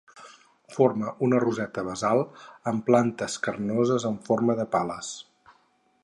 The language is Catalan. Forma una roseta basal amb plantes carnoses amb forma de pales.